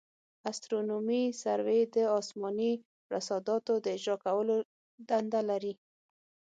استرونومي سروې د اسماني رصاداتو د اجرا کولو دنده لري